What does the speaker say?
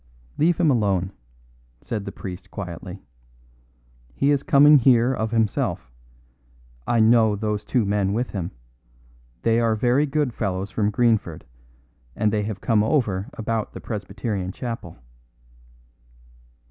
"Leave him alone," said the priest quietly. "He is coming here of himself. I know those two men with him. They are very good fellows from Greenford, and they have come over about the Presbyterian chapel."